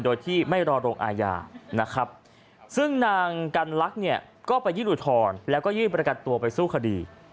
โดยที่ไม่รอลงอาญานะครับซึ่งนางกันลักษณ์เนี่ยก็ไปยื่นอุทธรณ์แล้วก็ยื่นประกันตัวไปสู้คดี